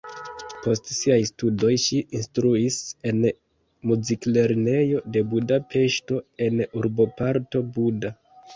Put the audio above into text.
Post siaj studoj ŝi instruis en muziklernejo de Budapeŝto en urboparto Buda.